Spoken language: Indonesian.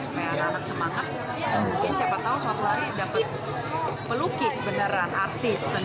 supaya anak anak semangat mungkin siapa tahu suatu hari dapat pelukis beneran artis